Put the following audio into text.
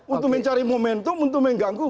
untuk mencari momentum untuk mengganggu